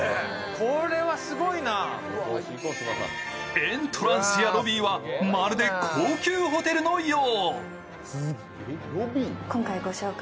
エントランスやロビーはまるで高級ホテルのよう。